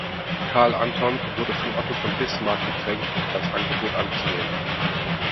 Karl Anton wurde von Otto von Bismarck gedrängt, das Angebot anzunehmen.